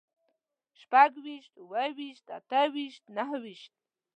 شپږويشت، اووهويشت، اتهويشت، نههويشت